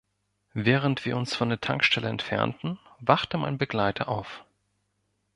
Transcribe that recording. Während wir uns von der Tankstelle entfernten, wachte mein Begleiter auf.